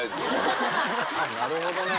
なるほどね。